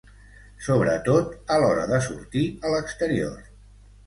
Sobretot, a l’hora de sortir a l’exterior.